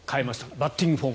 バッティングフォーム。